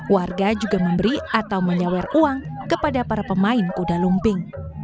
warga juga memberi atau menyewer uang kepada para pemain kuda lumping